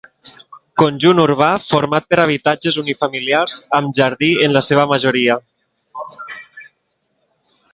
Conjunt urbà format per habitatges unifamiliars amb jardí en la seva majoria.